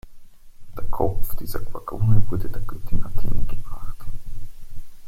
Der Kopf dieser Gorgone wurde der Göttin Athene gebracht.